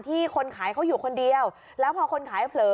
คนขายเขาอยู่คนเดียวแล้วพอคนขายเผลอ